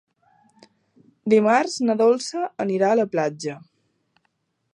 Dimarts na Dolça anirà a la platja.